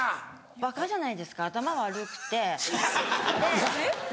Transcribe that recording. バカじゃないですか頭悪くてなので。